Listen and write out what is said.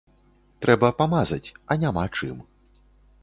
Трэба памазаць, а няма чым.